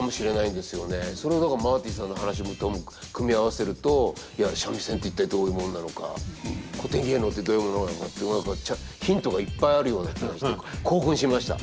それをだからマーティさんの話とも組み合わせるといや三味線って一体どういうものなのか古典芸能ってどういうものなのかっていうのがヒントがいっぱいあるような気がして興奮しました。